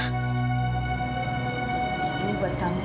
ini buat kamu